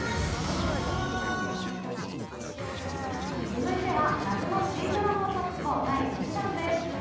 続いては夏の新ドラマ速報、第１弾です。